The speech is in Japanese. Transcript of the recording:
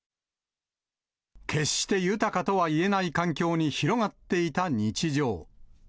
決して豊かとはいえない環境に広がっていた日常。